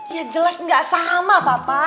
ya jelas gak sama papa